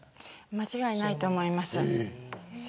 間違いないと思います。